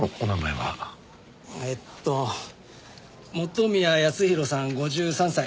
えっと元宮康宏さん５３歳。